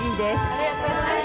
ありがとうございます。